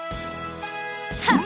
はっ！